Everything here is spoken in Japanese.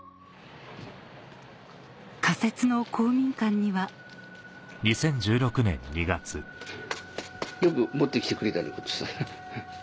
仮設の公民館にはよく持ってきてくれたこっちさ。